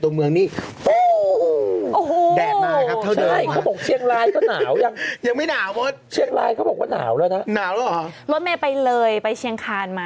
ถึงเดินนิดหน่อยนะครับทีแล้วพี่เช้าเพิ่งไปมาที่เชียงใหม่